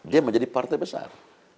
dia menjadi partai besar